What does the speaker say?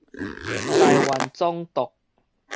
台灣總督